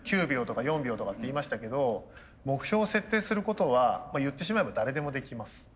９秒とか４秒とかって言いましたけど目標を設定することは言ってしまえば誰でもできます。